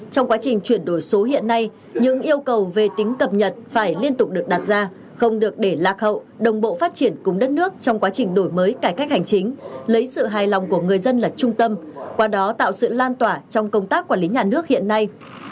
trong quá trình chuyển đổi số hiện nay những yêu cầu về tính cập nhật phải liên tục được đặt ra không được để lạc hậu đồng bộ phát triển cùng đất nước trong quá trình đổi mới cải cách hành chính lấy sự hài lòng của người dân là trung tâm qua đó tạo sự lan tỏa trong công tác quản lý nhà nước hiện nay